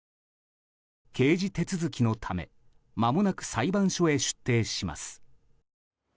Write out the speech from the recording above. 刑事手続きのためまもなく裁判所へ出廷します。